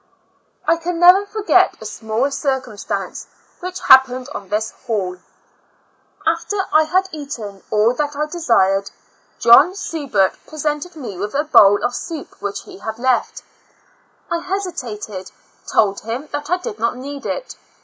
I can never forget a small circumstance which happened on this hall. After I had eaten all that I desired, John Subert pre sented me with a bowl of soup which he had left, I hesitated; told him that I did not need it.